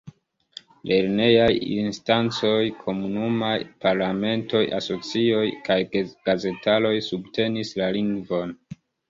Lernejaj instancoj, komunumaj parlamentoj, asocioj kaj gazetaro subtenis la lingvon.